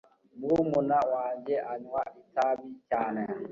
Murumuna wanjye anywa itabi cyane